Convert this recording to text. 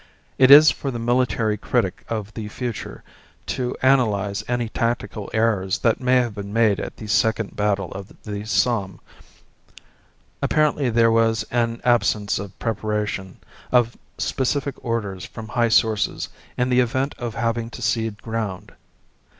It is for the military critic of the future to analyse any tactical errors that may have been made at the second battle of the Somme. Apparently there was an absence of preparation, of specific orders from high sources in the event of having to cede ground.